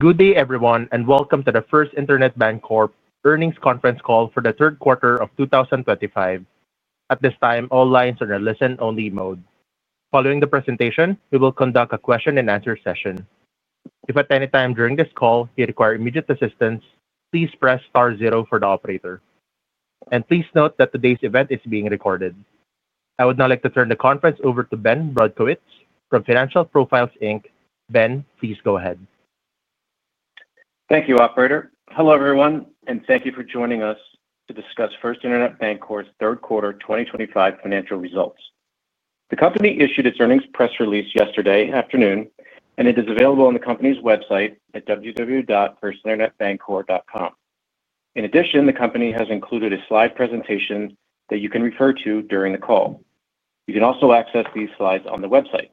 Good day, everyone, and welcome to the First Internet Bancorp earnings conference call for the third quarter of 2025. At this time, all lines are in a listen-only mode. Following the presentation, we will conduct a question-and-answer session. If at any time during this call you require immediate assistance, please press star zero for the operator. Please note that today's event is being recorded. I would now like to turn the conference over to Ben Brodkowitz from Financial Profiles, Inc. Ben, please go ahead. Thank you, operator. Hello, everyone, and thank you for joining us to discuss First Internet Bancorp's Third Quarter 2025 Financial Results. The company issued its earnings press release yesterday afternoon, and it is available on the company's website at www.firstinternetbancorp.com. In addition, the company has included a slide presentation that you can refer to during the call. You can also access these slides on the website.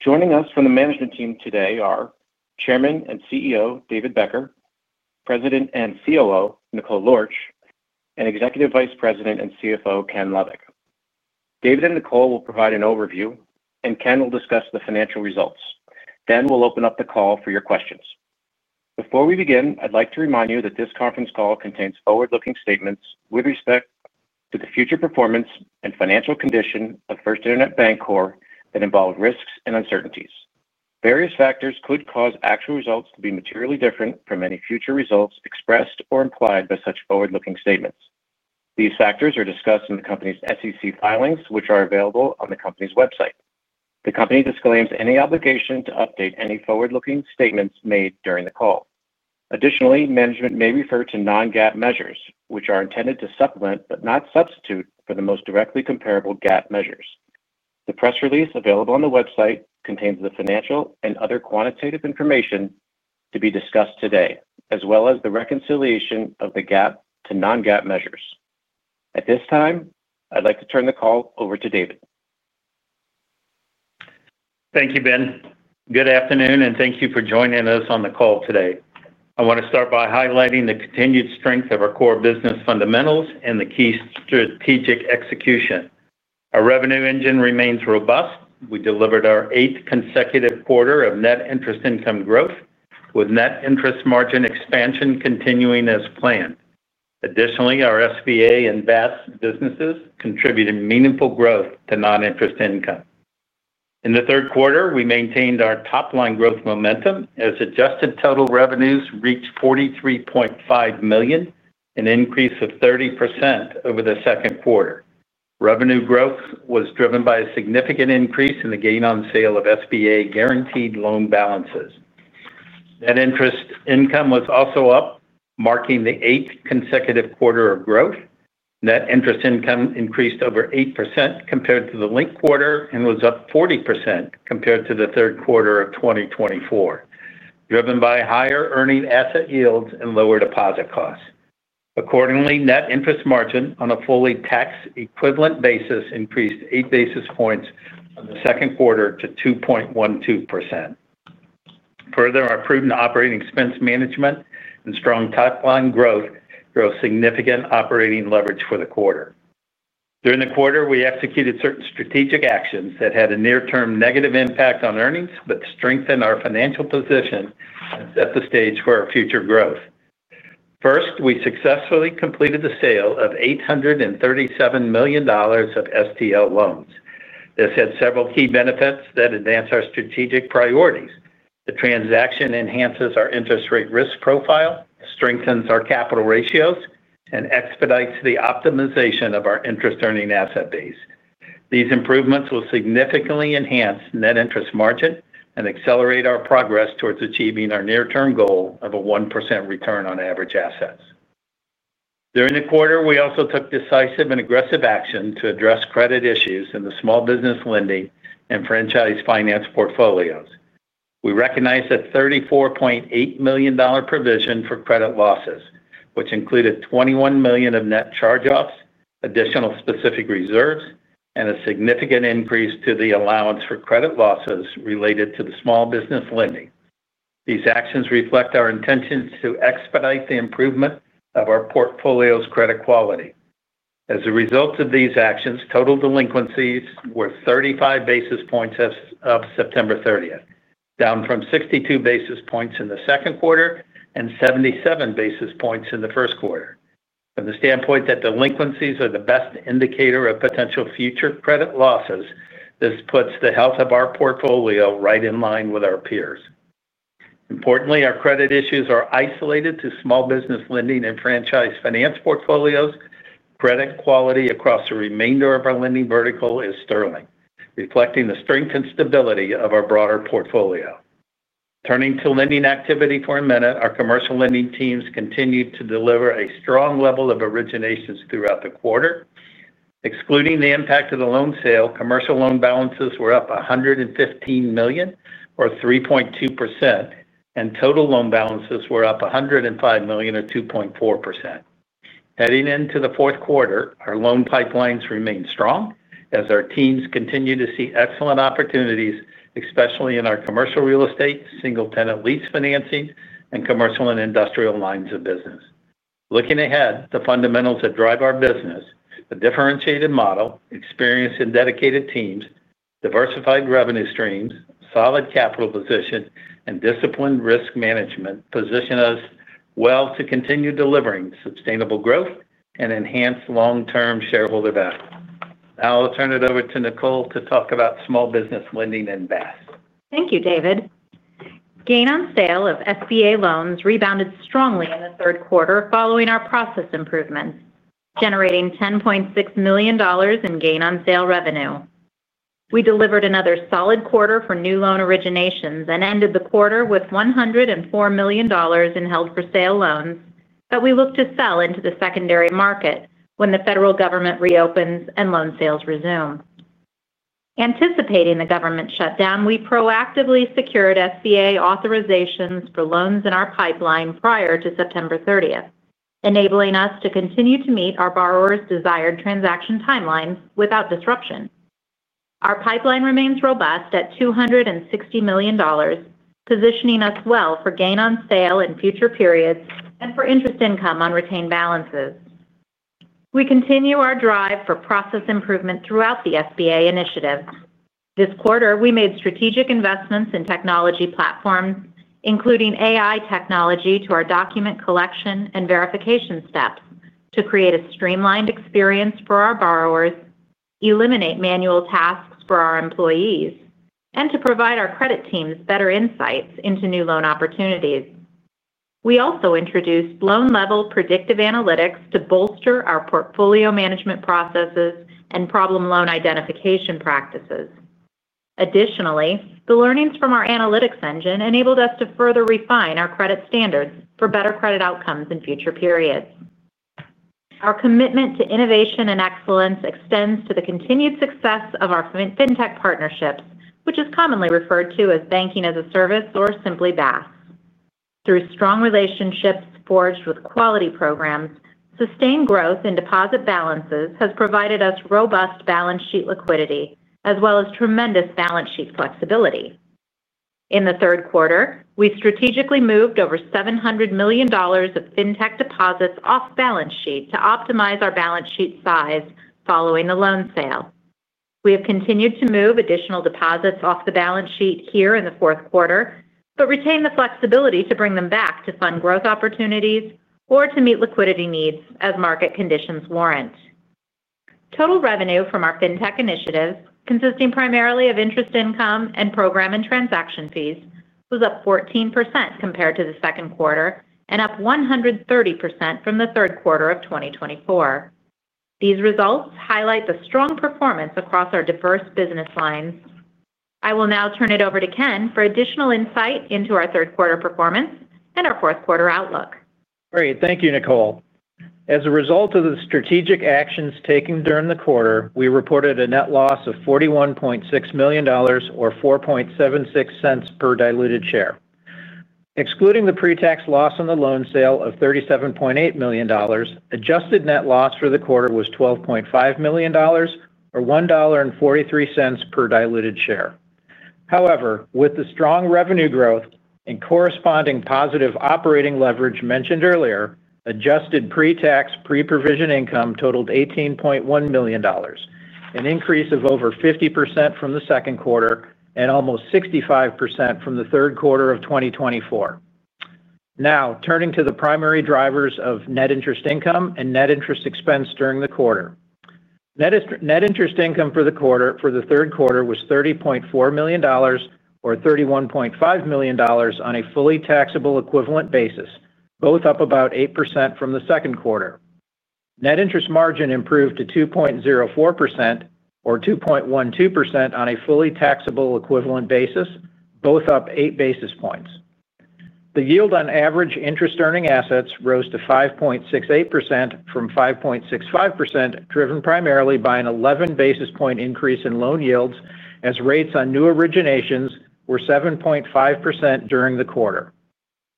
Joining us from the management team today are Chairman and CEO David Becker, President and COO Nicole Lorch, and Executive Vice President and CFO Ken Lovik. David and Nicole will provide an overview, and Ken will discuss the financial results. We will open up the call for your questions. Before we begin, I'd like to remind you that this conference call contains forward-looking statements with respect to the future performance and financial condition of First Internet Bancorp that involve risks and uncertainties. Various factors could cause actual results to be materially different from any future results expressed or implied by such forward-looking statements. These factors are discussed in the company's SEC filings, which are available on the company's website. The company disclaims any obligation to update any forward-looking statements made during the call. Additionally, management may refer to non-GAAP measures, which are intended to supplement but not substitute for the most directly comparable GAAP measures. The press release available on the website contains the financial and other quantitative information to be discussed today, as well as the reconciliation of the GAAP to non-GAAP measures. At this time, I'd like to turn the call over to David. Thank you, Ben. Good afternoon, and thank you for joining us on the call today. I want to start by highlighting the continued strength of our core business fundamentals and the key strategic execution. Our revenue engine remains robust. We delivered our eighth consecutive quarter of net interest income growth, with net interest margin expansion continuing as planned. Additionally, our SBA and BaaS businesses contributed meaningful growth to non-interest income. In the third quarter, we maintained our top-line growth momentum as adjusted total revenues reached $43.5 million, an increase of 30% over the second quarter. Revenue growth was driven by a significant increase in the gain on sale of SBA guaranteed loan balances. Net interest income was also up, marking the eighth consecutive quarter of growth. Net interest income increased over 8% compared to the linked quarter and was up 40% compared to the third quarter of 2024, driven by higher earning asset yields and lower deposit costs. Accordingly, net interest margin on a fully tax-equivalent basis increased 8 basis points in the second quarter to 2.12%. Further, our prudent operating expense management and strong top-line growth drove significant operating leverage for the quarter. During the quarter, we executed certain strategic actions that had a near-term negative impact on earnings but strengthened our financial position and set the stage for our future growth. First, we successfully completed the sale of $837 million of single-tenant lease financing loans. This had several key benefits that advance our strategic priorities. The transaction enhances our interest rate risk profile, strengthens our capital ratios, and expedites the optimization of our interest-earning asset base. These improvements will significantly enhance net interest margin and accelerate our progress towards achieving our near-term goal of a 1% return on average assets. During the quarter, we also took decisive and aggressive action to address credit issues in the small business lending and franchise finance portfolios. We recognized a $34.8 million provision for credit losses, which included $21 million of net charge-offs, additional specific reserves, and a significant increase to the allowance for credit losses related to the small business lending. These actions reflect our intentions to expedite the improvement of our portfolio's credit quality. As a result of these actions, total delinquencies were 35 basis points as of September 30th, down from 62 basis points in the second quarter and 77 basis points in the first quarter. From the standpoint that delinquencies are the best indicator of potential future credit losses, this puts the health of our portfolio right in line with our peers. Importantly, our credit issues are isolated to small business lending and franchise finance portfolios. Credit quality across the remainder of our lending vertical is sterling, reflecting the strength and stability of our broader portfolio. Turning to lending activity for a minute, our commercial lending teams continued to deliver a strong level of originations throughout the quarter. Excluding the impact of the loan sale, commercial loan balances were up $115 million, or 3.2%, and total loan balances were up $105 million, or 2.4%. Heading into the fourth quarter, our loan pipelines remain strong as our teams continue to see excellent opportunities, especially in our commercial real estate, single-tenant lease financing, and commercial and industrial lines of business. Looking ahead, the fundamentals that drive our business, a differentiated model, experienced and dedicated teams, diversified revenue streams, solid capital position, and disciplined risk management position us well to continue delivering sustainable growth and enhanced long-term shareholder value. Now, I'll turn it over to Nicole to talk about small business lending and BaaS. Thank you, David. Gain on sale of SBA loans rebounded strongly in the third quarter following our process improvements, generating $10.6 million in gain on sale revenue. We delivered another solid quarter for new loan originations and ended the quarter with $104 million in held-for-sale loans that we look to sell into the secondary market when the federal government reopens and loan sales resume. Anticipating the government shutdown, we proactively secured SBA authorizations for loans in our pipeline prior to September 30th, enabling us to continue to meet our borrowers' desired transaction timelines without disruption. Our pipeline remains robust at $260 million, positioning us well for gain on sale in future periods and for interest income on retained balances. We continue our drive for process improvement throughout the SBA initiative. This quarter, we made strategic investments in technology platforms, including AI-driven analytics to our document collection and verification steps, to create a streamlined experience for our borrowers, eliminate manual tasks for our employees, and to provide our credit teams better insights into new loan opportunities. We also introduced loan-level predictive analytics to bolster our portfolio management processes and problem loan identification practices. Additionally, the learnings from our analytics engine enabled us to further refine our credit standards for better credit outcomes in future periods. Our commitment to innovation and excellence extends to the continued success of our fintech partnerships, which is commonly referred to as Banking as a Service or simply BaaS. Through strong relationships forged with quality programs, sustained growth in deposit balances has provided us robust balance sheet liquidity, as well as tremendous balance sheet flexibility. In the third quarter, we strategically moved over $700 million of fintech deposits off balance sheet to optimize our balance sheet size following the loan sale. We have continued to move additional deposits off the balance sheet here in the fourth quarter, but retain the flexibility to bring them back to fund growth opportunities or to meet liquidity needs as market conditions warrant. Total revenue from our fintech initiatives, consisting primarily of interest income and program and transaction fees, was up 14% compared to the second quarter and up 130% from the third quarter of 2024. These results highlight the strong performance across our diverse business lines. I will now turn it over to Ken for additional insight into our third quarter performance and our fourth quarter outlook. Great. Thank you, Nicole. As a result of the strategic actions taken during the quarter, we reported a net loss of $41.6 million, or $0.476 per diluted share. Excluding the pre-tax loss on the loan sale of $37.8 million, adjusted net loss for the quarter was $12.5 million, or $1.43 per diluted share. However, with the strong revenue growth and corresponding positive operating leverage mentioned earlier, adjusted pre-tax pre-provision income totaled $18.1 million, an increase of over 50% from the second quarter and almost 65% from the third quarter of 2024. Now, turning to the primary drivers of net interest income and net interest expense during the quarter. Net interest income for the third quarter was $30.4 million, or $31.5 million on a fully taxable equivalent basis, both up about 8% from the second quarter. Net interest margin improved to 2.04%, or 2.12% on a fully taxable equivalent basis, both up 8 basis points. The yield on average interest-earning assets rose to 5.68% from 5.65%, driven primarily by an 11 basis point increase in loan yields, as rates on new originations were 7.5% during the quarter.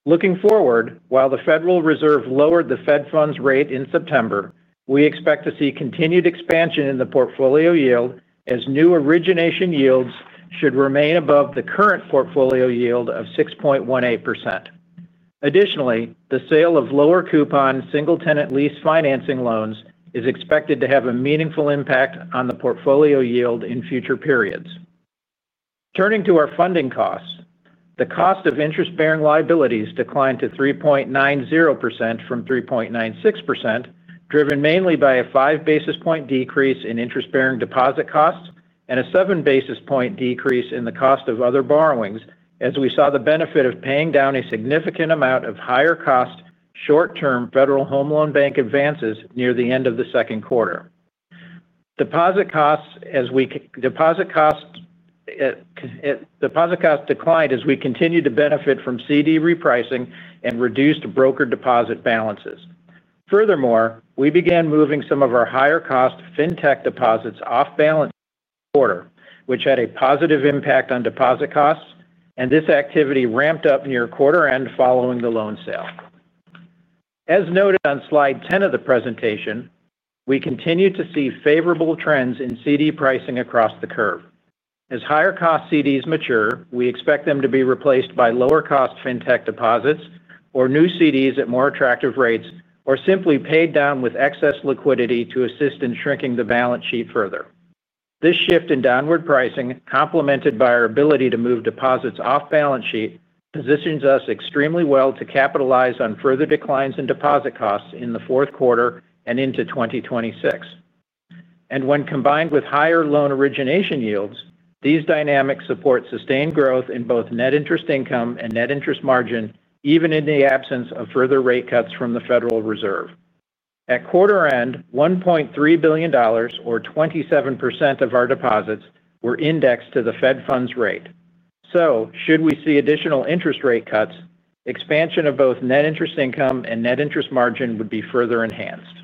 Looking forward, while the Federal Reserve lowered the Fed Funds rate in September, we expect to see continued expansion in the portfolio yield, as new origination yields should remain above the current portfolio yield of 6.18%. Additionally, the sale of lower coupon single-tenant lease financing loans is expected to have a meaningful impact on the portfolio yield in future periods. Turning to our funding costs, the cost of interest-bearing liabilities declined to 3.90% from 3.96%, driven mainly by a 5 basis point decrease in interest-bearing deposit costs and a 7 basis point decrease in the cost of other borrowings, as we saw the benefit of paying down a significant amount of higher-cost short-term Federal Home Loan Bank advances near the end of the second quarter. Deposit costs declined as we continued to benefit from CD re-pricing and reduced broker deposit balances. Furthermore, we began moving some of our higher-cost fintech deposits off balance quarter, which had a positive impact on deposit costs, and this activity ramped up near quarter-end following the loan sale. As noted on slide 10 of the presentation, we continue to see favorable trends in CD pricing across the curve. As higher-cost CDs mature, we expect them to be replaced by lower-cost fintech deposits or new CDs at more attractive rates, or simply paid down with excess liquidity to assist in shrinking the balance sheet further. This shift in downward pricing, complemented by our ability to move deposits off balance sheet, positions us extremely well to capitalize on further declines in deposit costs in the fourth quarter and into 2026. When combined with higher loan origination yields, these dynamics support sustained growth in both net interest income and net interest margin, even in the absence of further rate cuts from the Federal Reserve. At quarter-end, $1.3 billion, or 27% of our deposits, were indexed to the Fed Funds rate. If we see additional interest rate cuts, expansion of both net interest income and net interest margin would be further enhanced.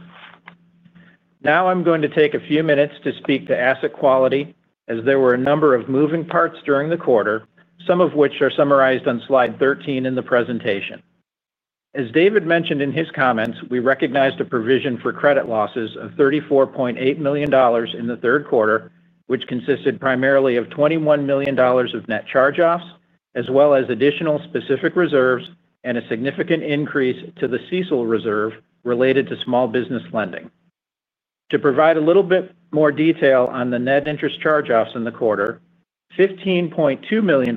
Now, I'm going to take a few minutes to speak to asset quality, as there were a number of moving parts during the quarter, some of which are summarized on slide 13 in the presentation. As David mentioned in his comments, we recognized a provision for credit losses of $34.8 million in the third quarter, which consisted primarily of $21 million of net charge-offs, as well as additional specific reserves and a significant increase to the CECL reserve related to small business lending. To provide a little bit more detail on the net interest charge-offs in the quarter, $15.2 million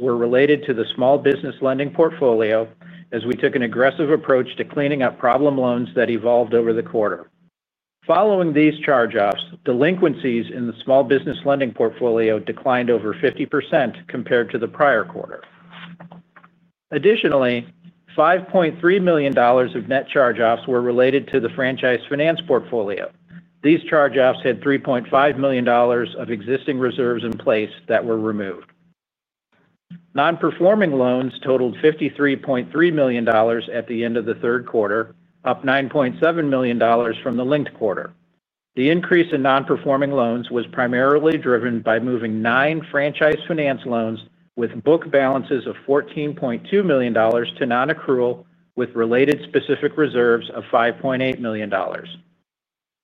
were related to the small business lending portfolio, as we took an aggressive approach to cleaning up problem loans that evolved over the quarter. Following these charge-offs, delinquencies in the small business lending portfolio declined over 50% compared to the prior quarter. Additionally, $5.3 million of net charge-offs were related to the franchise finance portfolio. These charge-offs had $3.5 million of existing reserves in place that were removed. Non-performing loans totaled $53.3 million at the end of the third quarter, up $9.7 million from the linked quarter. The increase in non-performing loans was primarily driven by moving nine franchise finance loans with book balances of $14.2 million to non-accrual, with related specific reserves of $5.8 million.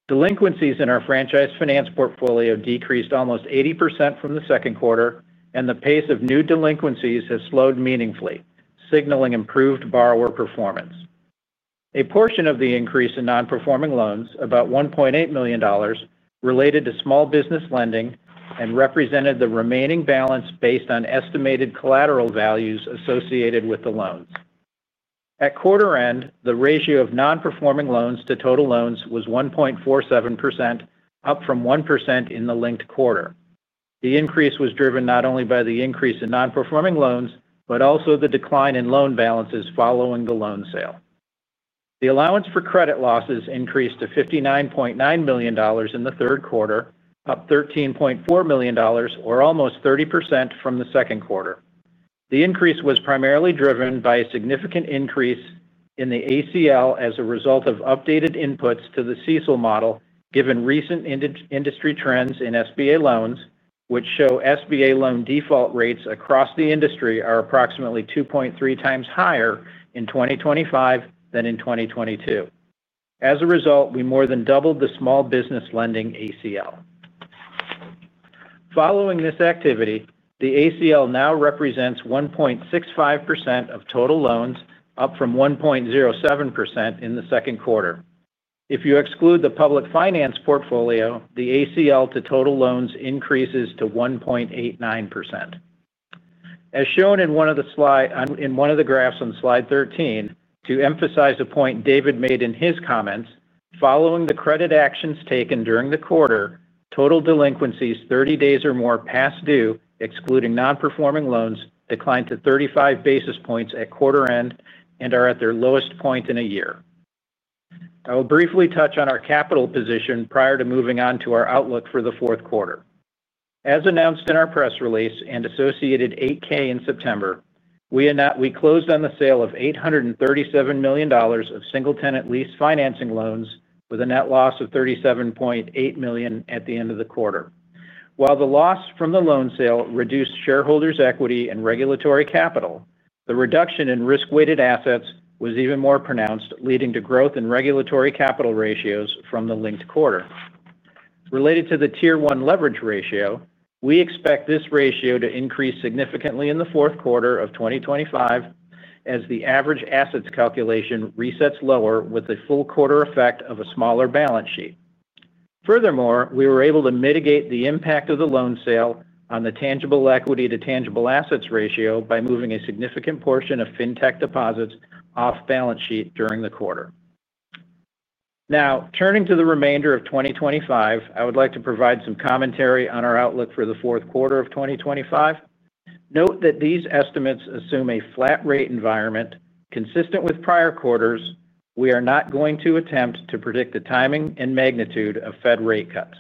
Delinquencies in our franchise finance portfolio decreased almost 80% from the second quarter, and the pace of new delinquencies has slowed meaningfully, signaling improved borrower performance. A portion of the increase in non-performing loans, about $1.8 million, related to small business lending and represented the remaining balance based on estimated collateral values associated with the loans. At quarter-end, the ratio of non-performing loans to total loans was 1.47%, up from 1% in the linked quarter. The increase was driven not only by the increase in non-performing loans but also the decline in loan balances following the loan sale. The allowance for credit losses increased to $59.9 million in the third quarter, up $13.4 million, or almost 30% from the second quarter. The increase was primarily driven by a significant increase in the allowance for credit losses as a result of updated inputs to the CECL model, given recent industry trends in SBA loans, which show SBA loan default rates across the industry are approximately 2.3x higher in 2025 than in 2022. As a result, we more than doubled the small business lending allowance for credit losses. Following this activity, the allowance for credit losses now represents 1.65% of total loans, up from 1.07% in the second quarter. If you exclude the public finance portfolio, the allowance for credit losses to total loans increases to 1.89%. As shown in one of the graphs on slide 13, to emphasize a point David made in his comments, following the credit actions taken during the quarter, total delinquencies 30 days or more past due, excluding non-performing loans, declined to 35 basis points at quarter-end and are at their lowest point in a year. I will briefly touch on our capital position prior to moving on to our outlook for the fourth quarter. As announced in our press release and associated 8K in September, we closed on the sale of $837 million of single-tenant lease financing loans with a net loss of $37.8 million at the end of the quarter. While the loss from the loan sale reduced shareholders' equity and regulatory capital, the reduction in risk-weighted assets was even more pronounced, leading to growth in regulatory capital ratios from the linked quarter. Related to the tier 1 leverage ratio, we expect this ratio to increase significantly in the fourth quarter of 2025, as the average assets calculation resets lower with a full quarter effect of a smaller balance sheet. Furthermore, we were able to mitigate the impact of the loan sale on the tangible equity to tangible assets ratio by moving a significant portion of fintech deposits off balance sheet during the quarter. Now, turning to the remainder of 2025, I would like to provide some commentary on our outlook for the fourth quarter of 2025. Note that these estimates assume a flat-rate environment consistent with prior quarters. We are not going to attempt to predict the timing and magnitude of Fed rate cuts.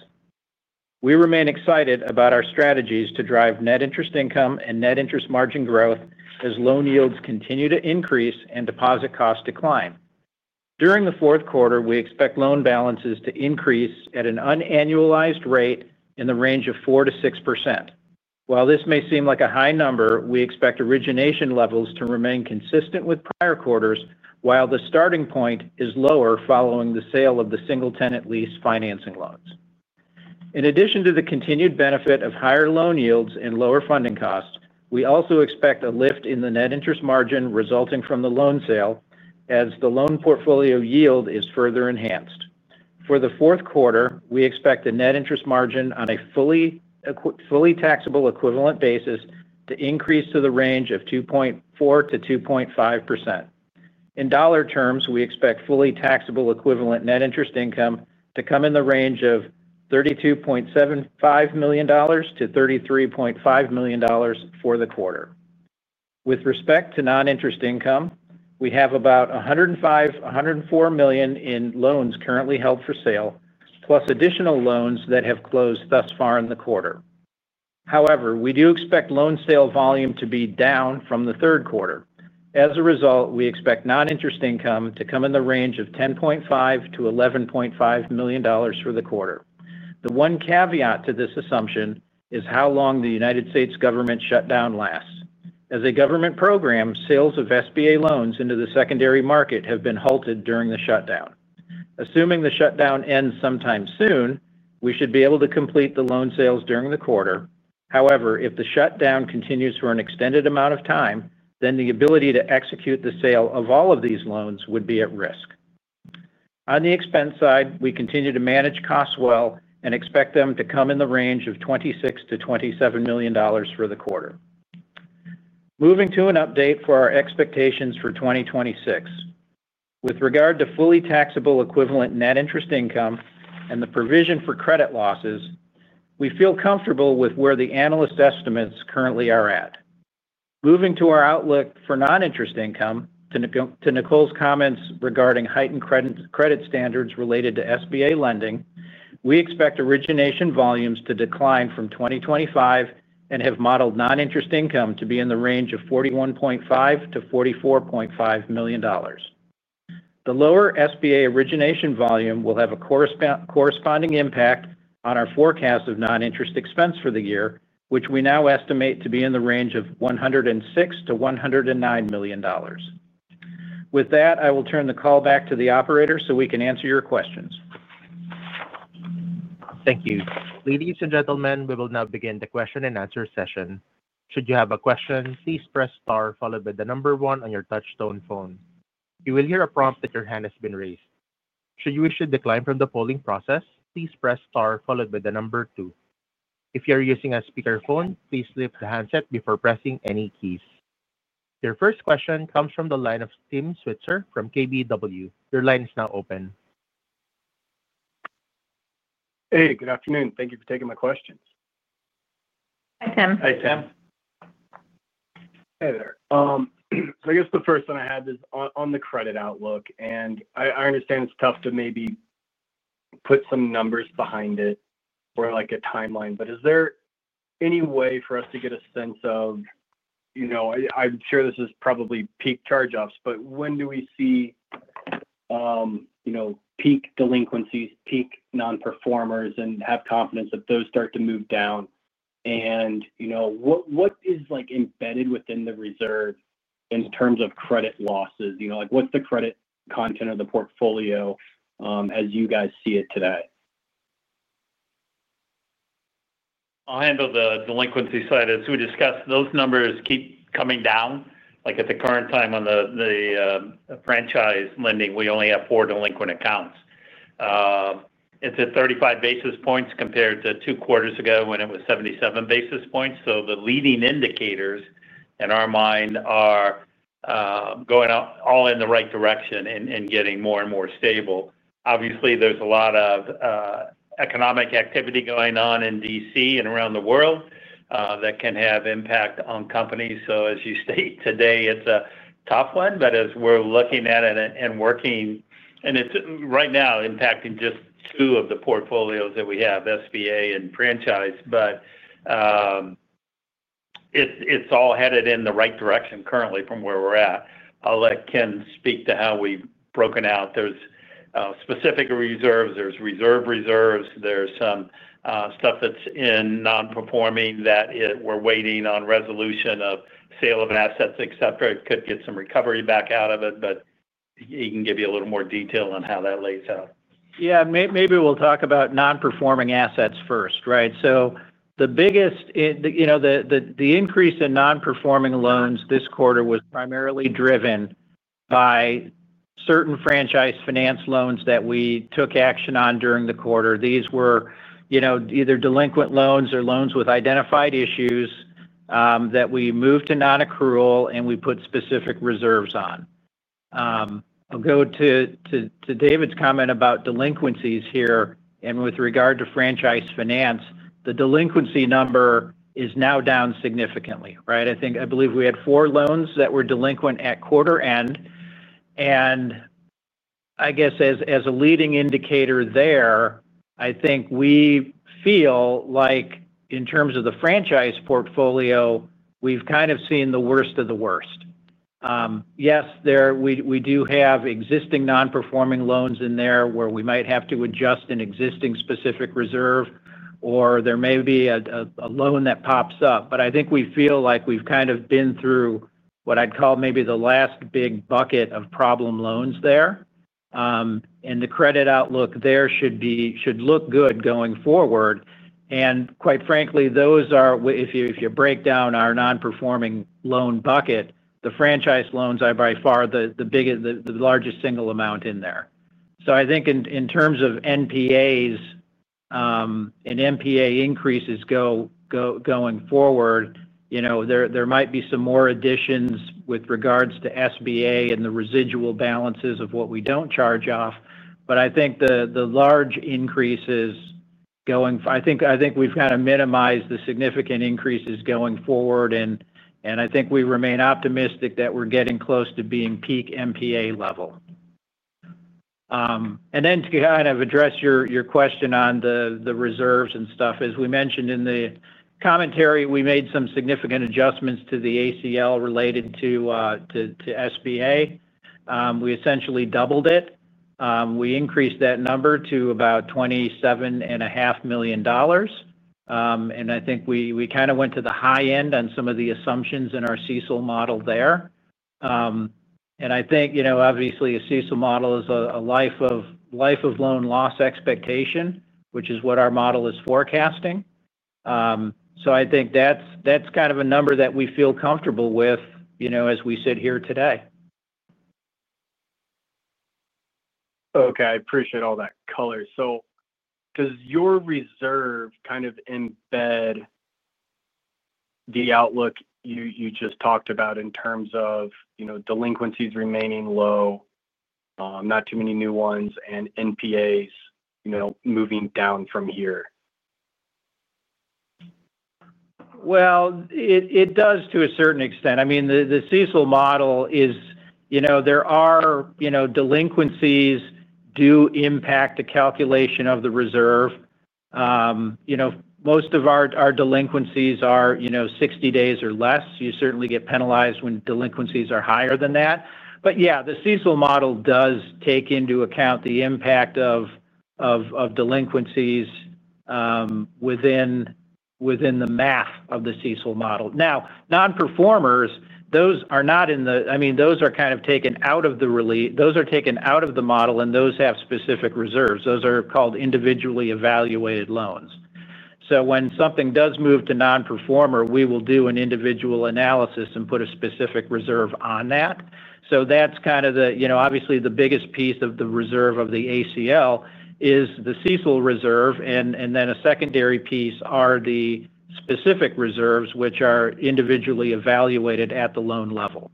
We remain excited about our strategies to drive net interest income and net interest margin growth as loan yields continue to increase and deposit costs decline. During the fourth quarter, we expect loan balances to increase at an unannualized rate in the range of 4%-6%. While this may seem like a high number, we expect origination levels to remain consistent with prior quarters, while the starting point is lower following the sale of the single-tenant lease financing loans. In addition to the continued benefit of higher loan yields and lower funding costs, we also expect a lift in the net interest margin resulting from the loan sale, as the loan portfolio yield is further enhanced. For the fourth quarter, we expect the net interest margin on a fully taxable equivalent basis to increase to the range of 2.4%-2.5%. In dollar terms, we expect fully taxable equivalent net interest income to come in the range of $32.75 million-$33.5 million for the quarter. With respect to non-interest income, we have about $105 million to $104 million in loans currently held for sale, plus additional loans that have closed thus far in the quarter. However, we do expect loan sale volume to be down from the third quarter. As a result, we expect non-interest income to come in the range of $10.5 million-$11.5 million for the quarter. The one caveat to this assumption is how long the U.S. government shutdown lasts. As a government program, sales of SBA loans into the secondary market have been halted during the shutdown. Assuming the shutdown ends sometime soon, we should be able to complete the loan sales during the quarter. However, if the shutdown continues for an extended amount of time, then the ability to execute the sale of all of these loans would be at risk. On the expense side, we continue to manage costs well and expect them to come in the range of $26 million-$27 million for the quarter. Moving to an update for our expectations for 2026. With regard to fully taxable equivalent net interest income and the provision for credit losses, we feel comfortable with where the analyst estimates currently are at. Moving to our outlook for non-interest income, to Nicole's comments regarding heightened credit standards related to SBA lending, we expect origination volumes to decline from 2025 and have modeled non-interest income to be in the range of $41.5 million-$44.5 million. The lower SBA origination volume will have a corresponding impact on our forecast of non-interest expense for the year, which we now estimate to be in the range of $106 million-$109 million. With that, I will turn the call back to the operator so we can answer your questions. Thank you. Ladies and gentlemen, we will now begin the question and answer session. Should you have a question, please press star followed by the number one on your touch-tone phone. You will hear a prompt that your hand has been raised. Should you wish to decline from the polling process, please press star followed by the number two. If you are using a speaker phone, please lift the handset before pressing any keys. Your first question comes from the line of Tim Switzer from KBW. Your line is now open. Hey, good afternoon. Thank you for taking my questions. Hi, Tim. Hi, Tim. Hey there. I guess the first one I have is on the credit outlook. I understand it's tough to maybe put some numbers behind it or like a timeline, but is there any way for us to get a sense of, you know, I'm sure this is probably peak charge-offs, but when do we see, you know, peak delinquencies, peak non-performers, and have confidence that those start to move down? What is like embedded within the reserve in terms of credit losses? You know, like what's the credit content of the portfolio as you guys see it today? I'll handle the delinquency side. As we discussed, those numbers keep coming down. At the current time on the franchise finance, we only have four delinquent accounts. It's at 35 basis points compared to two quarters ago when it was 77 basis points. The leading indicators in our mind are going all in the right direction and getting more and more stable. Obviously, there's a lot of economic activity going on in D.C. and around the world that can have impact on companies. As you state today, it's a tough one, but as we're looking at it and working, it's right now impacting just two of the portfolios that we have, SBA and franchise, but it's all headed in the right direction currently from where we're at. I'll let Ken speak to how we've broken out. There's specific reserves, there's reserve reserves, there's some stuff that's in non-performing that we're waiting on resolution of sale of assets, etc. It could get some recovery back out of it, but he can give you a little more detail on how that lays out. Yeah, maybe we'll talk about non-performing assets first, right? The biggest increase in non-performing loans this quarter was primarily driven by certain franchise finance loans that we took action on during the quarter. These were either delinquent loans or loans with identified issues that we moved to non-accrual and we put specific reserves on. I'll go to David's comment about delinquencies here. With regard to franchise finance, the delinquency number is now down significantly, right? I believe we had four loans that were delinquent at quarter end. As a leading indicator there, I think we feel like in terms of the franchise finance portfolio, we've kind of seen the worst of the worst. Yes, we do have existing non-performing loans in there where we might have to adjust an existing specific reserve or there may be a loan that pops up. I think we feel like we've kind of been through what I'd call maybe the last big bucket of problem loans there. The credit outlook there should look good going forward. Quite frankly, those are, if you break down our non-performing loan bucket, the franchise loans are by far the largest single amount in there. I think in terms of NPAs and NPA increases going forward, there might be some more additions with regards to SBA and the residual balances of what we don't charge off. I think we've kind of minimized the significant increases going forward. I think we remain optimistic that we're getting close to being peak NPA level. To address your question on the reserves and stuff, as we mentioned in the commentary, we made some significant adjustments to the allowance for credit losses related to SBA. We essentially doubled it. We increased that number to about $27.5 million. I think we kind of went to the high end on some of the assumptions in our CECL model there. Obviously, a CECL model is a life of loan loss expectation, which is what our model is forecasting. I think that's kind of a number that we feel comfortable with as we sit here today. Okay, I appreciate all that color. Does your reserve kind of embed the outlook you just talked about in terms of delinquencies remaining low, not too many new ones, and NPAs moving down from here? The CECL model is, you know, there are, you know, delinquencies do impact the calculation of the reserve. Most of our delinquencies are, you know, 60 days or less. You certainly get penalized when delinquencies are higher than that. The CECL model does take into account the impact of delinquencies within the math of the CECL model. Now, non-performers, those are not in the, I mean, those are kind of taken out of the relief, those are taken out of the model, and those have specific reserves. Those are called individually evaluated loans. When something does move to non-performer, we will do an individual analysis and put a specific reserve on that. That's kind of the, you know, obviously the biggest piece of the reserve of the ACL is the CECL reserve, and then a secondary piece are the specific reserves, which are individually evaluated at the loan level.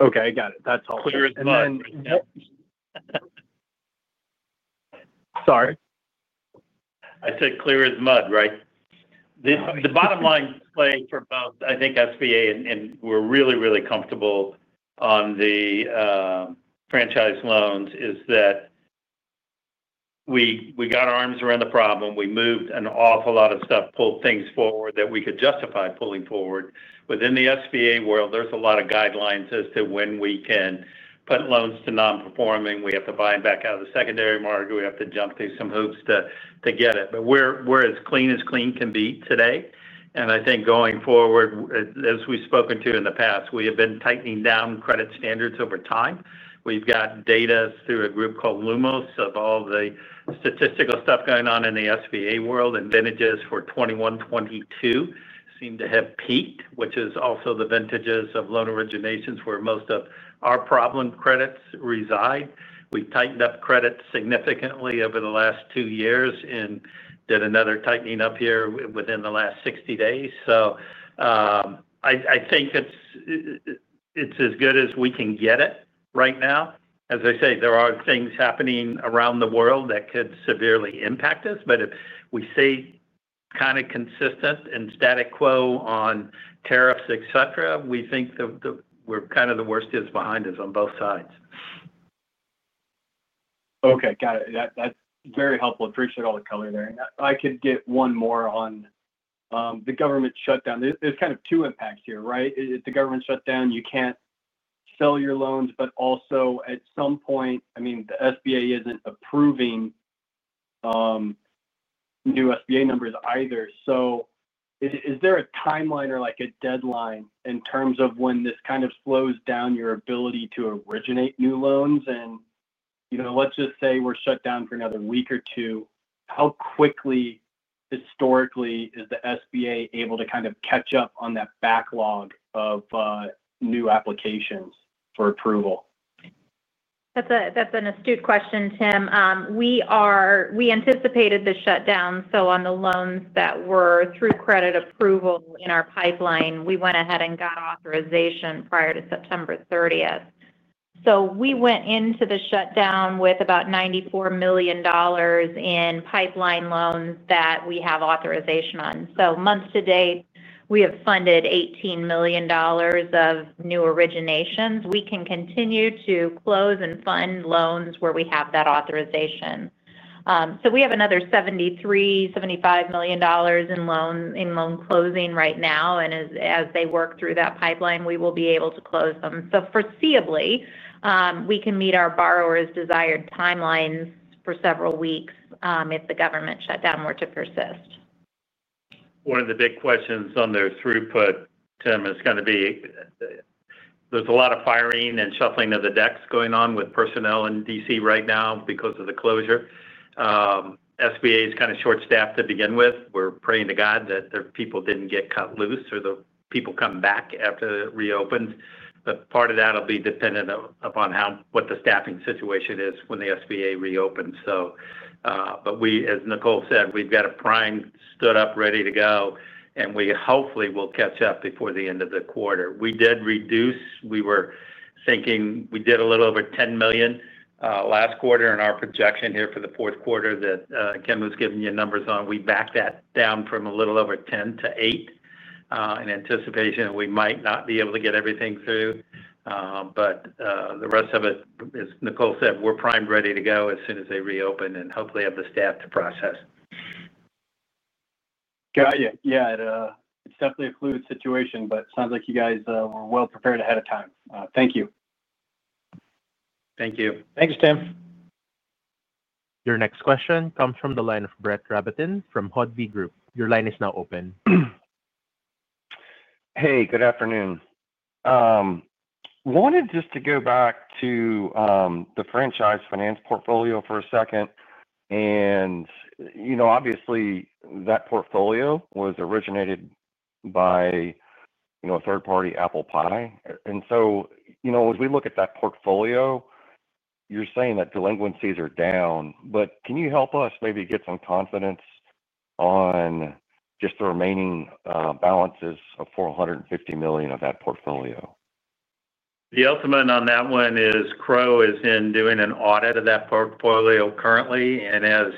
Okay, I got it. That's all. Clear as mud. Sorry. I said clear as mud, right? The bottom line for both, I think, SBA and we're really, really comfortable on the franchise loans is that we got our arms around the problem. We moved an awful lot of stuff, pulled things forward that we could justify pulling forward. Within the SBA world, there's a lot of guidelines as to when we can put loans to non-performing. We have to buy them back out of the secondary market. We have to jump through some hoops to get it. We're as clean as clean can be today. I think going forward, as we've spoken to in the past, we have been tightening down credit standards over time. We've got data through a group called LUMOS of all the statistical stuff going on in the SBA world, and vintages for 2021-2022 seem to have peaked, which is also the vintages of loan originations where most of our problem credits reside. We've tightened up credits significantly over the last two years and did another tightening up here within the last 60 days. I think it's as good as we can get it right now. As I say, there are things happening around the world that could severely impact us. If we stay kind of consistent and status quo on tariffs, etc., we think that kind of the worst is behind us on both sides. Okay, got it. That's very helpful. I appreciate all the color there. Could I get one more on the government shutdown? There are kind of two impacts here, right? If the government shuts down, you can't sell your loans, but also at some point, the SBA isn't approving new SBA numbers either. Is there a timeline or a deadline in terms of when this kind of slows down your ability to originate new loans? Let's just say we're shut down for another week or two. How quickly, historically, is the SBA able to catch up on that backlog of new applications for approval? That's an astute question, Tim. We anticipated the shutdown. On the loans that were through credit approval in our pipeline, we went ahead and got authorization prior to September 30th. We went into the shutdown with about $94 million in pipeline loans that we have authorization on. Month to date, we have funded $18 million of new originations. We can continue to close and fund loans where we have that authorization. We have another $73 million-$75 million in loan closing right now. As they work through that pipeline, we will be able to close them. Foreseeably, we can meet our borrowers' desired timelines for several weeks if the government shutdown were to persist. One of the big questions on their throughput, Tim, is going to be there's a lot of firing and shuffling of the decks going on with personnel in D.C. right now because of the closure. SBA is kind of short-staffed to begin with. We're praying to God that their people didn't get cut loose or the people come back after it reopens. Part of that will be dependent upon what the staffing situation is when the SBA reopens. As Nicole said, we've got a prime stood up ready to go, and we hopefully will catch up before the end of the quarter. We did reduce, we were thinking we did a little over $10 million last quarter in our projection here for the fourth quarter that Ken was giving you numbers on. We backed that down from a little over $10 million to $8 million in anticipation that we might not be able to get everything through. The rest of it, as Nicole said, we're prime ready to go as soon as they reopen and hopefully have the staff to process. Got it. Yeah, it's definitely a fluid situation, but it sounds like you guys were well prepared ahead of time. Thank you. Thank you. Thanks, Tim. Your next question comes from the line of Brett Rabatin from Hovde Group. Your line is now open. Hey, good afternoon. Wanted just to go back to the franchise finance portfolio for a second. Obviously, that portfolio was originated by a third-party, ApplePie. As we look at that portfolio, you're saying that delinquencies are down, but can you help us maybe get some confidence on just the remaining balances of $450 million of that portfolio? The ultimate on that one is Crowe is in doing an audit of that portfolio currently. As of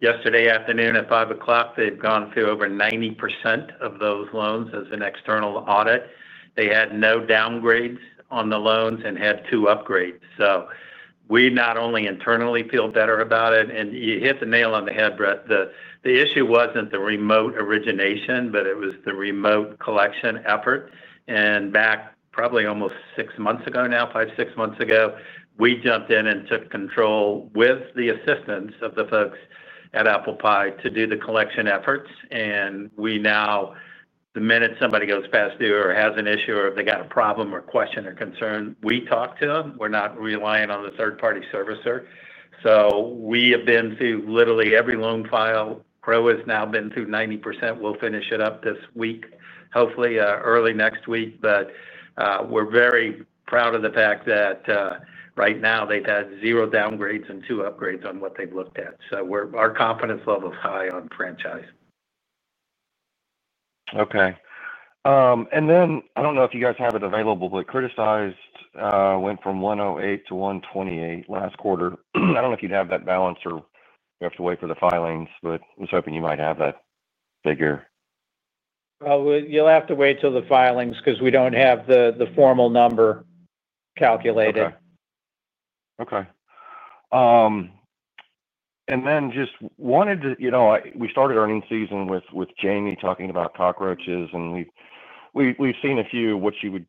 yesterday afternoon at 5:00 P.M., they've gone through over 90% of those loans as an external audit. They had no downgrades on the loans and had two upgrades. We not only internally feel better about it, you hit the nail on the head, Brett, the issue wasn't the remote origination, it was the remote collection effort. Probably almost six months ago now, five, six months ago, we jumped in and took control with the assistance of the folks at ApplePie to do the collection efforts. We now, the minute somebody goes past due or has an issue or if they got a problem or question or concern, we talk to them. We're not relying on the third-party servicer. We have been through literally every loan file. Crowe has now been through 90%. We'll finish it up this week, hopefully early next week. We're very proud of the fact that right now they've had zero downgrades and two upgrades on what they've looked at. Our confidence level is high on franchise. Okay. I don't know if you guys have it available, but [Curtisized] went from $108 million-$128 million last quarter. I don't know if you'd have that balance or you have to wait for the filings, but I was hoping you might have that figure. You'll have to wait till the filings because we don't have the formal number calculated. Okay. I just wanted to, you know, we started our end season with Jamie talking about cockroaches, and we've seen a few, what she would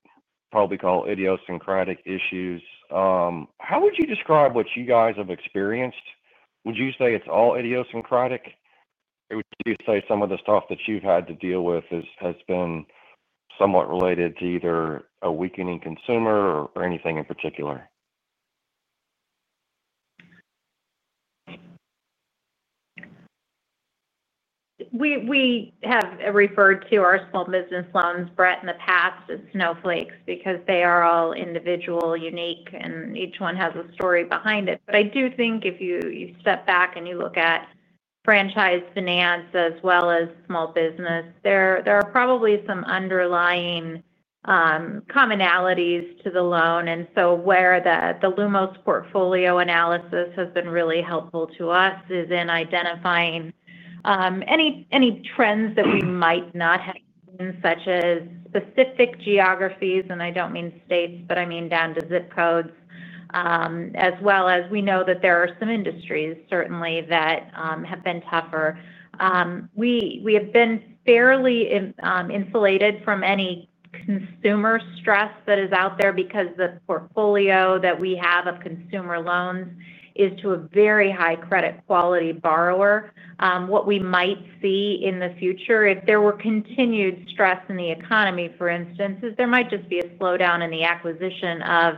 probably call idiosyncratic issues. How would you describe what you guys have experienced? Would you say it's all idiosyncratic? Would you say some of the stuff that you've had to deal with has been somewhat related to either a weakening consumer or anything in particular? We have referred to our small business loans, Brett, in the past as snowflakes because they are all individual, unique, and each one has a story behind it. I do think if you step back and you look at franchise finance as well as small business, there are probably some underlying commonalities to the loan. Where the LUMOS portfolio analysis has been really helpful to us is in identifying any trends that we might not have seen, such as specific geographies. I don't mean states, but I mean down to zip codes. We know that there are some industries certainly that have been tougher. We have been fairly insulated from any consumer stress that is out there because the portfolio that we have of consumer loans is to a very high credit quality borrower. What we might see in the future if there were continued stress in the economy, for instance, is there might just be a slowdown in the acquisition of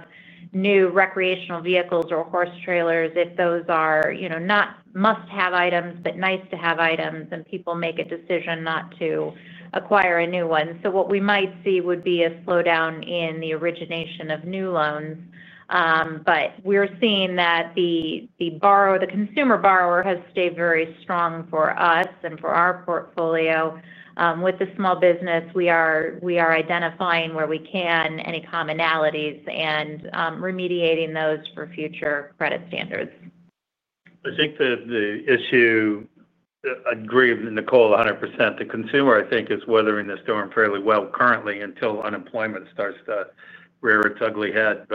new recreational vehicles or horse trailers if those are, you know, not must-have items, but nice-to-have items, and people make a decision not to acquire a new one. What we might see would be a slowdown in the origination of new loans. We're seeing that the consumer borrower has stayed very strong for us and for our portfolio. With the small business, we are identifying where we can any commonalities and remediating those for future credit standards. I think the issue, I agree with Nicole 100%, the consumer I think is weathering the storm fairly well currently until unemployment starts to rear its ugly head.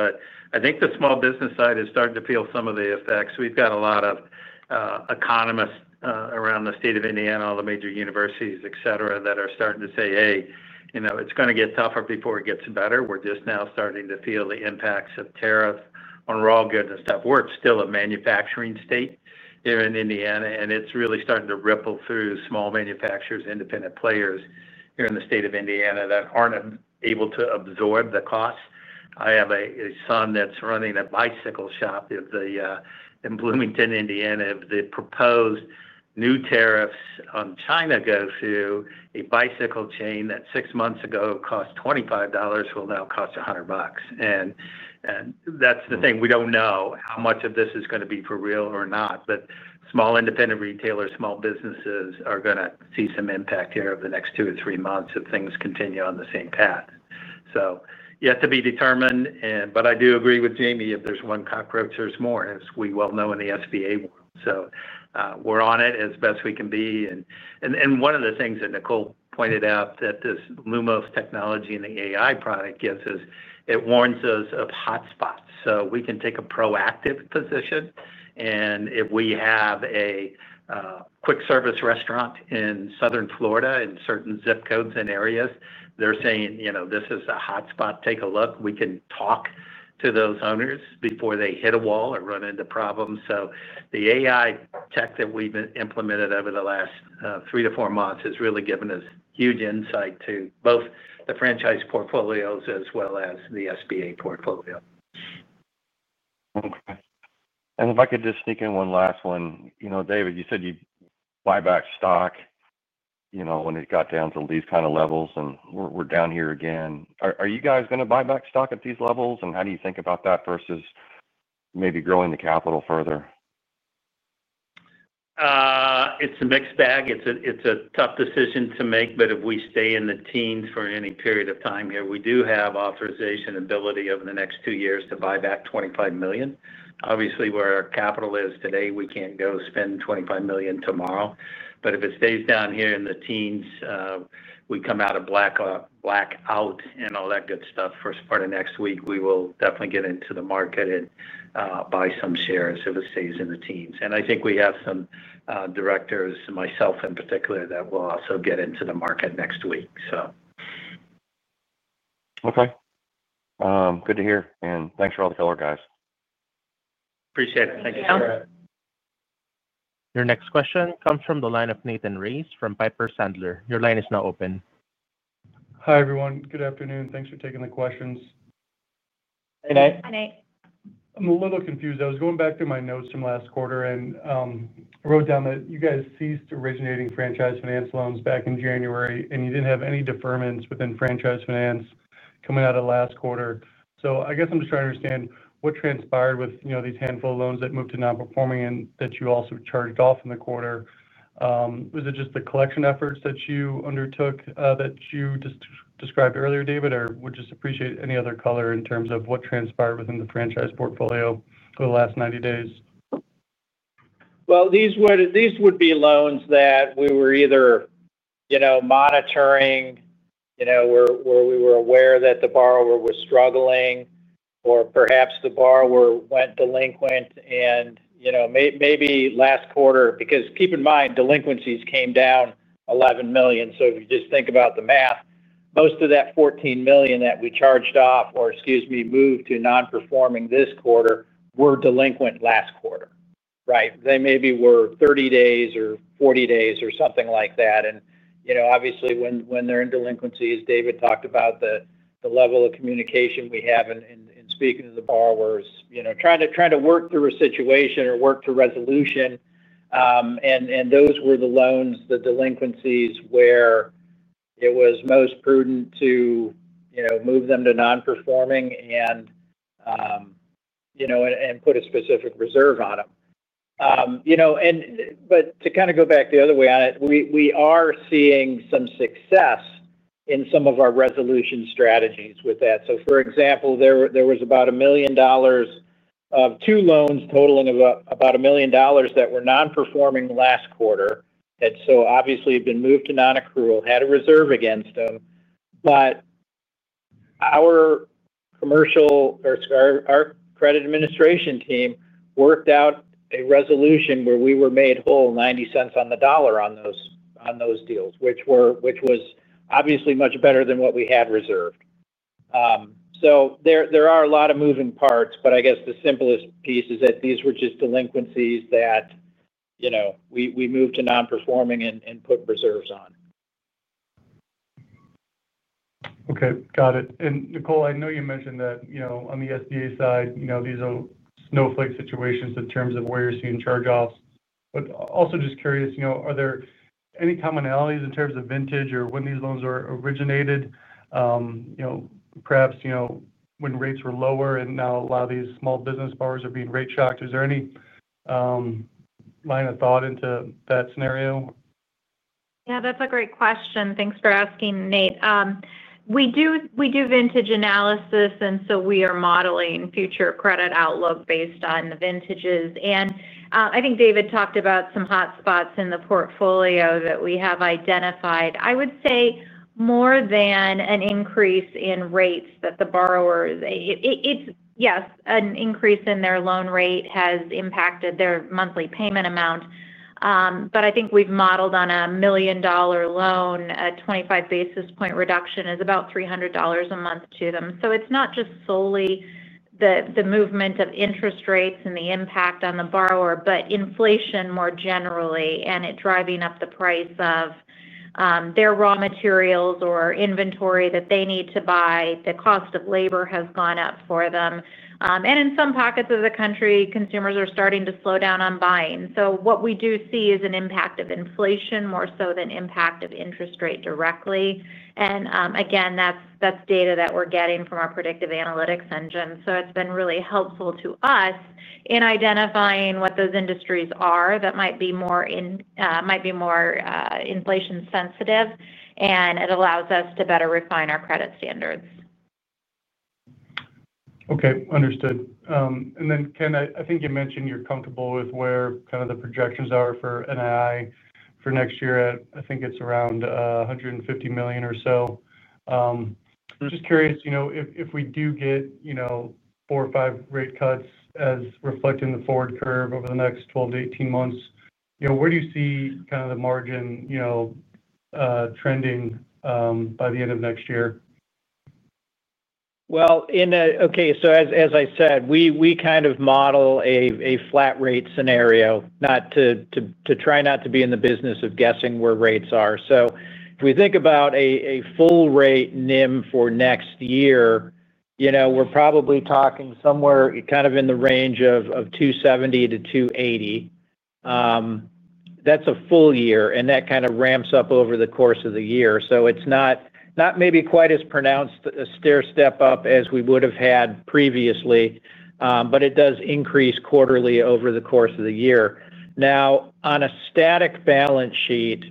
I think the small business side is starting to feel some of the effects. We've got a lot of economists around the state of Indiana, all the major universities, etc., that are starting to say, "Hey, you know, it's going to get tougher before it gets better." We're just now starting to feel the impacts of tariffs on raw goods and stuff. We're still a manufacturing state here in Indiana, and it's really starting to ripple through small manufacturers, independent players here in the state of Indiana that aren't able to absorb the costs. I have a son that's running a bicycle shop in Bloomington, Indiana. If the proposed new tariffs on China go through, a bicycle chain that six months ago cost $25 will now cost $100. That's the thing. We don't know how much of this is going to be for real or not. Small independent retailers, small businesses are going to see some impact here over the next two or three months if things continue on the same path. You have to be determined. I do agree with Jamie, if there's one cockroach, there's more, as we well know in the SBA world. We're on it as best we can be. One of the things that Nicole pointed out that this LUMOS technology and the AI-driven analytics product gives us, it warns us of hotspots. We can take a proactive position. If we have a quick service restaurant in Southern Florida in certain zip codes and areas, they're saying, you know, this is a hotspot, take a look. We can talk to those owners before they hit a wall or run into problems. The AI-driven analytics tech that we've implemented over the last three to four months has really given us huge insight to both the franchise finance portfolio as well as the SBA loans portfolio. Okay. If I could just sneak in one last one, you know, David, you said you buy back stock when it got down to these kind of levels, and we're down here again. Are you guys going to buy back stock at these levels? How do you think about that versus maybe growing the capital further? It's a mixed bag. It's a tough decision to make, but if we stay in the teens for any period of time here, we do have authorization ability over the next two years to buy back $25 million. Obviously, where our capital is today, we can't go spend $25 million tomorrow. If it stays down here in the teens, we come out of blackout and all that good stuff first part of next week, we will definitely get into the market and buy some shares if it stays in the teens. I think we have some directors, myself in particular, that will also get into the market next week. Okay, good to hear. Thanks for all the color, guys. Appreciate it. Thank you, Tom. Your next question comes from the line of Nathan Race from Piper Sandler. Your line is now open. Hi, everyone. Good afternoon. Thanks for taking the questions. Hey, Nate. Hi, Nate. I'm a little confused. I was going back through my notes from last quarter and wrote down that you guys ceased originating franchise finance loans back in January, and you didn't have any deferments within franchise finance coming out of last quarter. I guess I'm just trying to understand what transpired with these handful of loans that moved to non-performing and that you also charged off in the quarter. Was it just the collection efforts that you undertook that you just described earlier, David, or would just appreciate any other color in terms of what transpired within the franchise finance portfolio over the last 90 days? These would be loans that we were either, you know, monitoring, where we were aware that the borrower was struggling, or perhaps the borrower went delinquent. Maybe last quarter, because keep in mind, delinquencies came down $11 million. If you just think about the math, most of that $14 million that we charged off or, excuse me, moved to non-performing this quarter were delinquent last quarter, right? They maybe were 30 days or 40 days or something like that. Obviously, when they're in delinquencies, David talked about the level of communication we have in speaking to the borrowers, trying to work through a situation or work to resolution. Those were the loans, the delinquencies where it was most prudent to move them to non-performing and put a specific reserve on them. To kind of go back the other way on it, we are seeing some success in some of our resolution strategies with that. For example, there was about $1 million of two loans totaling about $1 million that were non-performing last quarter that obviously have been moved to non-accrual, had a reserve against them. Our commercial or our credit administration team worked out a resolution where we were made whole $0.90 on the dollar on those deals, which was obviously much better than what we had reserved. There are a lot of moving parts, but I guess the simplest piece is that these were just delinquencies that we moved to non-performing and put reserves on. Okay. Got it. Nicole, I know you mentioned that on the SBA side, these are snowflake situations in terms of where you're seeing charge-offs. Also, just curious, are there any commonalities in terms of vintage or when these loans are originated? Perhaps when rates were lower and now a lot of these small business borrowers are being rate shocked. Is there any line of thought into that scenario? Yeah, that's a great question. Thanks for asking, Nate. We do vintage analysis, and we are modeling future credit outlook based on the vintages. I think David talked about some hotspots in the portfolio that we have identified. I would say more than an increase in rates that the borrowers, it's yes, an increase in their loan rate has impacted their monthly payment amount. I think we've modeled on a $1 million loan, a 25 basis point reduction is about $300 a month to them. It's not just solely the movement of interest rates and the impact on the borrower, but inflation more generally, and it's driving up the price of their raw materials or inventory that they need to buy. The cost of labor has gone up for them. In some pockets of the country, consumers are starting to slow down on buying. What we do see is an impact of inflation more so than impact of interest rate directly. Again, that's data that we're getting from our predictive analytics engine. It's been really helpful to us in identifying what those industries are that might be more inflation sensitive, and it allows us to better refine our credit standards. Okay, understood. Ken, I think you mentioned you're comfortable with where kind of the projections are for NII for next year at, I think it's around $150 million or so. Just curious, if we do get four or five rate cuts as reflecting the forward curve over the next 12-18 months, where do you see kind of the margin trending by the end of next year? As I said, we kind of model a flat-rate scenario, try not to be in the business of guessing where rates are. If we think about a full-rate NIM for next year, we're probably talking somewhere kind of in the range of $270-$280. That's a full year, and that kind of ramps up over the course of the year. It's not maybe quite as pronounced a stair step up as we would have had previously, but it does increase quarterly over the course of the year. Now, on a static balance sheet,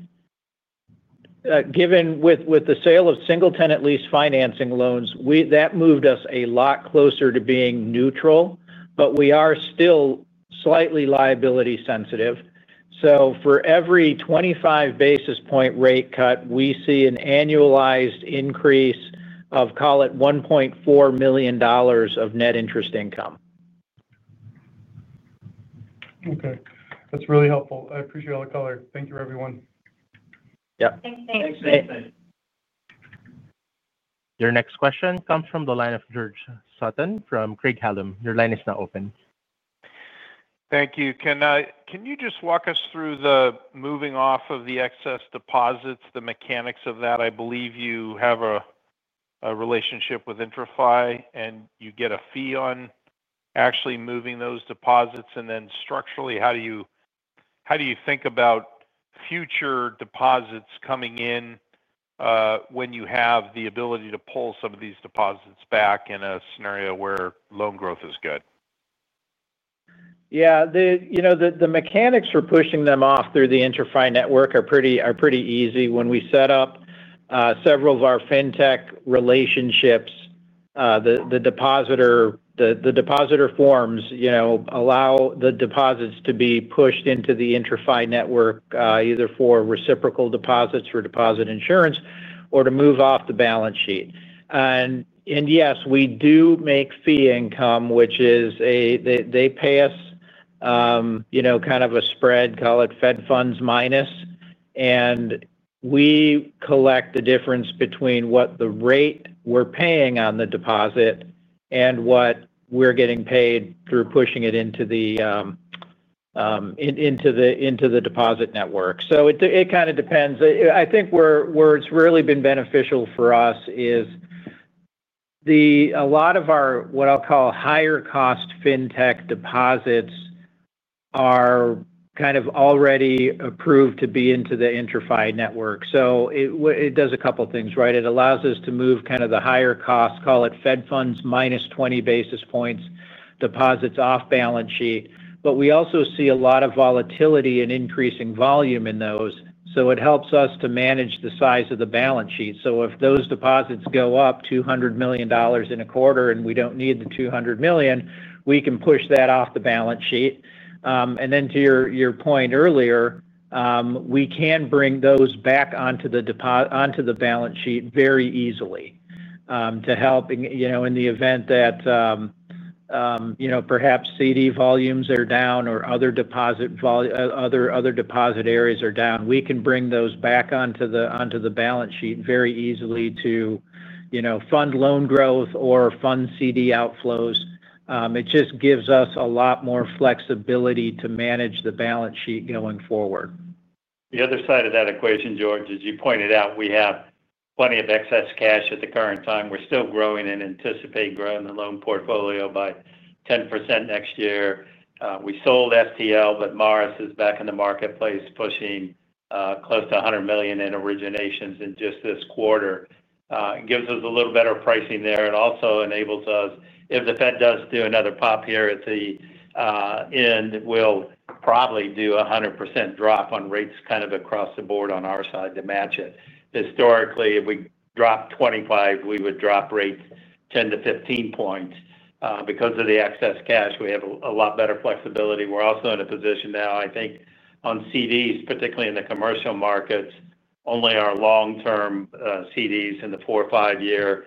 given the sale of single-tenant lease financing loans, that moved us a lot closer to being neutral, but we are still slightly liability-sensitive. For every 25 basis point rate cut, we see an annualized increase of, call it, $1.4 million of net interest income. Okay. That's really helpful. I appreciate all the color. Thank you, everyone. Yep. Thanks, Nate. Thanks, Nathan. Your next question comes from the line of George Sutton from Craig-Hallum. Your line is now open. Thank you. Can you just walk us through the moving off of the excess deposits, the mechanics of that? I believe you have a relationship with IntraFi, and you get a fee on actually moving those deposits. Structurally, how do you think about future deposits coming in when you have the ability to pull some of these deposits back in a scenario where loan growth is good? Yeah, the mechanics for pushing them off through the IntraFi network are pretty easy. When we set up several of our fintech relationships, the depositor forms allow the deposits to be pushed into the IntraFi network, either for reciprocal deposits for deposit insurance or to move off the balance sheet. Yes, we do make fee income, which is a they pay us, you know, kind of a spread, call it Fed Funds minus. We collect the difference between what the rate we're paying on the deposit and what we're getting paid through pushing it into the deposit network. It kind of depends. I think where it's really been beneficial for us is a lot of our, what I'll call, higher-cost fintech deposits are kind of already approved to be into the IntraFi network. It does a couple of things, right? It allows us to move kind of the higher cost, call it Fed Funds -20 basis points deposits off balance sheet. We also see a lot of volatility and increasing volume in those. It helps us to manage the size of the balance sheet. If those deposits go up $200 million in a quarter and we don't need the $200 million, we can push that off the balance sheet. To your point earlier, we can bring those back onto the balance sheet very easily to help, you know, in the event that, you know, perhaps CD volumes are down or other deposit areas are down. We can bring those back onto the balance sheet very easily to, you know, fund loan growth or fund CD outflows. It just gives us a lot more flexibility to manage the balance sheet going forward. The other side of that equation, George, as you pointed out, we have plenty of excess cash at the current time. We're still growing and anticipate growing the loan portfolio by 10% next year. We sold FTL, but Morris is back in the marketplace pushing close to $100 million in originations in just this quarter. It gives us a little better pricing there. It also enables us, if the Fed does do another pop here at the end, we'll probably do a 100% drop on rates kind of across the board on our side to match it. Historically, if we dropped 25, we would drop rates 10 points-15 points. Because of the excess cash, we have a lot better flexibility. We're also in a position now, I think, on CDs, particularly in the commercial markets, only our long-term CDs in the four or five-year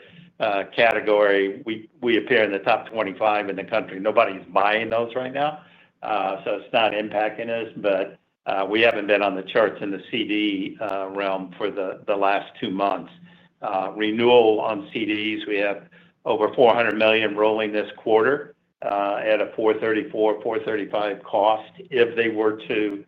category, we appear in the top 25 in the country. Nobody's buying those right now. It is not impacting us, but we haven't been on the charts in the CD realm for the last two months. Renewal on CDs, we have over $400 million rolling this quarter at a $434-$435 cost. If they were to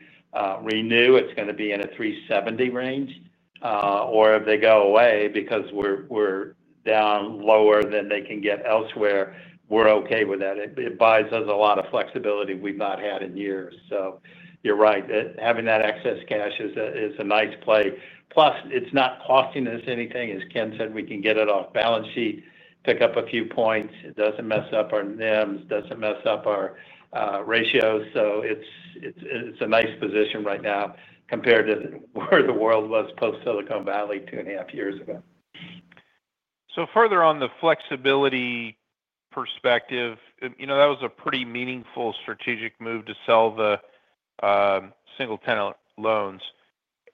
renew, it's going to be in a $370 range. If they go away because we're down lower than they can get elsewhere, we're okay with that. It buys us a lot of flexibility we've not had in years. You're right. Having that excess cash is a nice play. Plus, it's not costing us anything. As Ken said, we can get it off-balance-sheet, pick up a few points. It doesn't mess up our NIMs, doesn't mess up our ratios. It is a nice position right now compared to where the world was post-Silicon Valley two and a half years ago. From the flexibility perspective, that was a pretty meaningful strategic move to sell the single-tenant lease financing loans.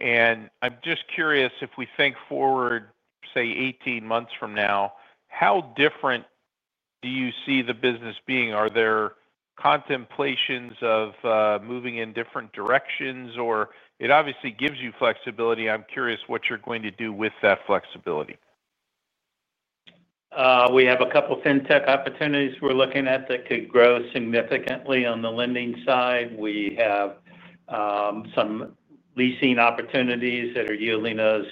I'm just curious, if we think forward, say, 18 months from now, how different do you see the business being? Are there contemplations of moving in different directions? It obviously gives you flexibility. I'm curious what you're going to do with that flexibility. We have a couple of fintech opportunities we're looking at that could grow significantly on the lending side. We have some leasing opportunities that are yielding us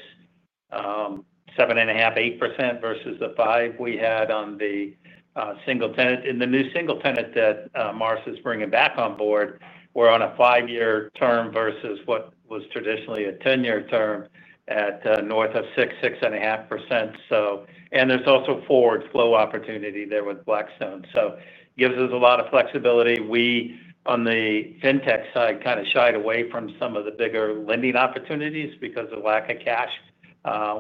7.5%-8% versus the 5% we had on the single-tenant. In the new single-tenant that Morris is bringing back on board, we're on a five-year term versus what was traditionally a 10-year term at north of 6%-6.5%. There is also forward flow opportunity there with Blackstone. It gives us a lot of flexibility. We, on the fintech side, kind of shied away from some of the bigger lending opportunities because of lack of cash.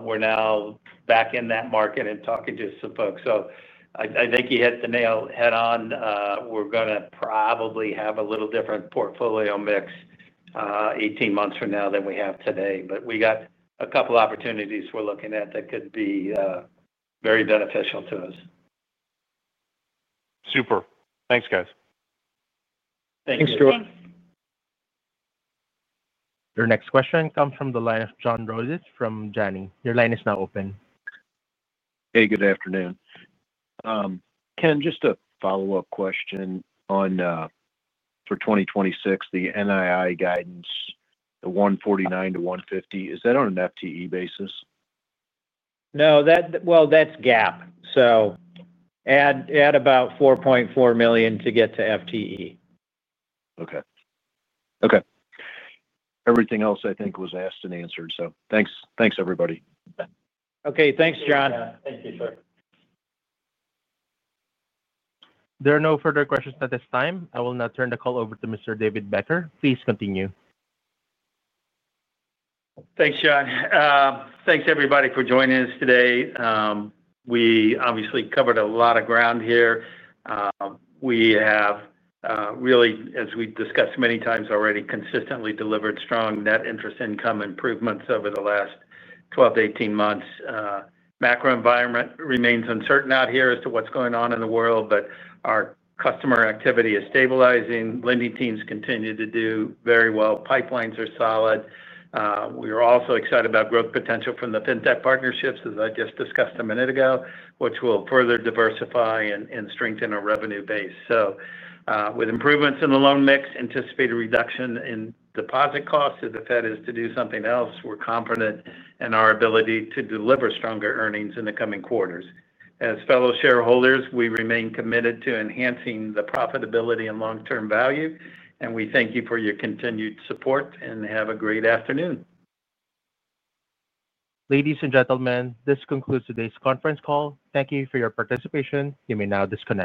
We're now back in that market and talking to some folks. I think you hit the nail head-on. We're going to probably have a little different portfolio mix 18 months from now than we have today. We got a couple of opportunities we're looking at that could be very beneficial to us. Super. Thanks, guys. Thank you. Thanks, George. Your next question comes from the line of John Rodis from Janney. Your line is now open. Hey, good afternoon. Ken, just a follow-up question for 2026, the NII guidance, the $149-$150, is that on an FTE basis? No, that's GAAP. Add about $4.4 million to get to FTE. Okay. Everything else I think was asked and answered. Thanks, thanks everybody. Okay. Thanks, John. Thank you, sir. There are no further questions at this time. I will now turn the call over to Mr. David Becker. Please continue. Thanks, John. Thanks everybody for joining us today. We obviously covered a lot of ground here. We have really, as we discussed many times already, consistently delivered strong net interest income improvements over the last 12-18 months. Macro environment remains uncertain out here as to what's going on in the world, but our customer activity is stabilizing. Lending teams continue to do very well. Pipelines are solid. We are also excited about growth potential from the fintech partnerships, as I just discussed a minute ago, which will further diversify and strengthen our revenue base. With improvements in the loan mix, anticipated reduction in deposit costs if the Fed is to do something else, we're confident in our ability to deliver stronger earnings in the coming quarters. As fellow shareholders, we remain committed to enhancing the profitability and long-term value, and we thank you for your continued support and have a great afternoon. Ladies and gentlemen, this concludes today's conference call. Thank you for your participation. You may now disconnect.